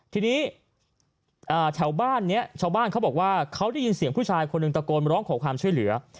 ทีนี้แถวบ้านนี้ชาวบ้านเขาบอกว่าเขาได้ยินเสียงผู้ชายคนหนึ่งตะโกนร้องขอความช่วยเหลือ